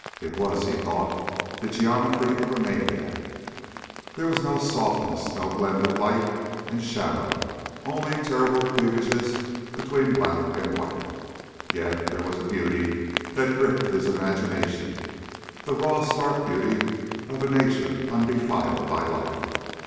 It was, he thought, the geometry of a maniac. There was no softness, no blend of light and shadow, only terrible cleavages between black and white. Yet there was a beauty that gripped his imagination; the raw, stark beauty of a nature undefiled by life.